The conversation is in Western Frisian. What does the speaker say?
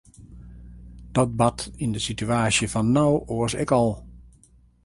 Dat bart yn de situaasje fan no oars ek al.